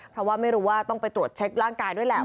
เพราะว่าไม่รู้ว่าต้องไปตรวจเช็คร่างกายด้วยแหละ